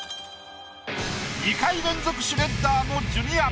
２回連続シュレッダーのジュニア